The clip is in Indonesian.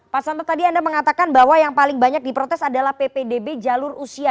pak santo tadi anda mengatakan bahwa yang paling banyak diprotes adalah ppdb jalur usia